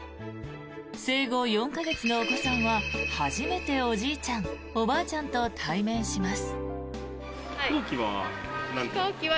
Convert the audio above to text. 生後４か月のお子さんは初めておじいちゃん、おばあちゃんと対面します。